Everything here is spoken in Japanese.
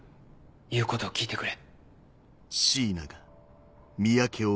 言うことを聞いてくれ。